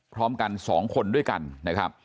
พร้อมกัน๒คนด้วยกันนะครับ